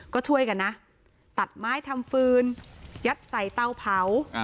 ก็ช่วยกันนะตัดไม้ทำฟืนยัดใส่เตาเผา